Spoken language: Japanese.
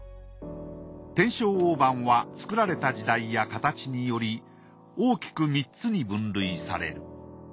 天正大判は作られた時代や形により大きく３つに分類される。